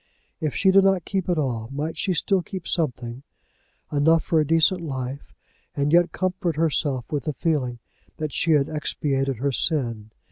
If she did not keep it all might she still keep something, enough for decent life, and yet comfort herself with the feeling that she had expiated her sin?